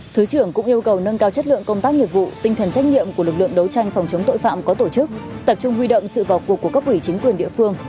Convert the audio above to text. thứ trưởng cũng yêu cầu nâng cao chất lượng công tác nghiệp vụ tinh thần trách nhiệm của lực lượng đấu tranh phòng chống tội phạm có tổ chức tập trung huy động sự vào cuộc của cấp ủy chính quyền địa phương